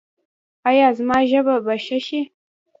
ایا زما ژبه به ښه شي؟